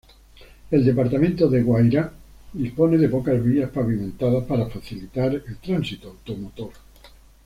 El Departamento de Guairá dispone de pocas vías pavimentadas para facilitar el tránsito automotor.